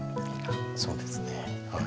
そうですね。